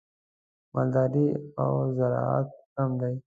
مالداري او زراعت کم دي.